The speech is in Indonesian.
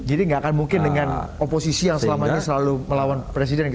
jadi nggak akan mungkin dengan oposisi yang selalu melawan presiden gitu